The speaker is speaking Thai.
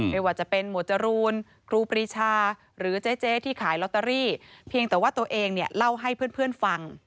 ไม่ว่าจะเป็นหมวดจรูนครูปรีชาหรือเจ๊ที่ขายลอตเตอรี่เพียงแต่ว่าตัวเองเนี่ยเล่าให้เพื่อนฟัง